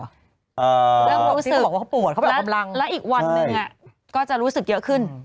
เริ่มรู้สึกแล้วอีกวันนึงก็จะรู้สึกเยอะขึ้น